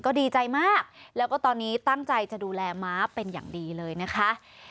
ก็ดีใจมากแล้วก็ตอนนี้ตั้งใจจะดูแลม้าเป็นอย่างดีเลยนะคะ